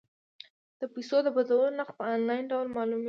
د پيسو د بدلولو نرخ په انلاین ډول معلومیږي.